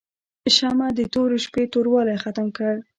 شمعه د تورې شپې توروالی ختم کړ.